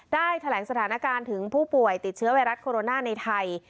ได้แถลงสถานการณ์ถึงผู้ป่วยติดเชื้อไวรัสโคโรนาในไทย